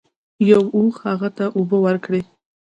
یو اوښ هغه ته اوبه ورکړې.